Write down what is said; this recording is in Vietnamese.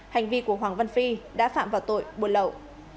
hành vi của hoàng văn phi đã phạm vào tội buôn lậu